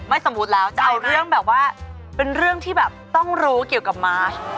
สมมุติแล้วจะเอาเรื่องแบบว่าเป็นเรื่องที่แบบต้องรู้เกี่ยวกับมาช